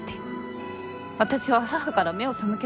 私は母から目を背けました。